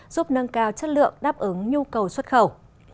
giúp nâng cao chất lượng đáp ứng nhu cầu xuất khẩu